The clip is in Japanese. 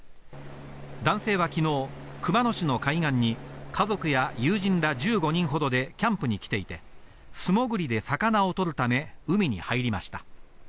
男性はきのう熊野市の海岸に、家族や友人ら１５人ほどでキャンプに来ていて、素潜りで魚を捕るため、海に入りました。